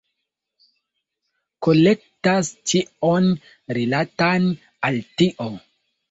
Kolektas ĉion rilatan al tio.